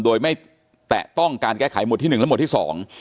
โดยไม่แตะต้องการแก้ไขหมวดที่หนึ่งและหมวดที่สอง